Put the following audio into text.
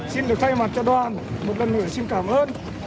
xin được thay mặt cho đoàn một lần nữa xin cảm ơn